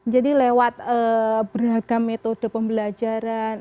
jadi lewat beragam metode pembelajaran